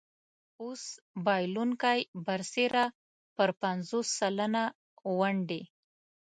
اوس بایلونکی برسېره پر پنځوس سلنه ونډې.